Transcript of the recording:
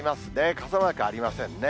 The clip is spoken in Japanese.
傘マークありませんね。